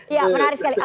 iya menarik sekali